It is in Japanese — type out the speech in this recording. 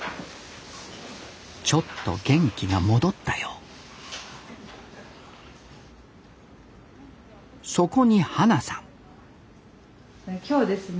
ちょっと元気が戻ったようそこに花さん今日ですね